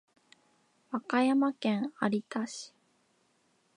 和歌山県有田市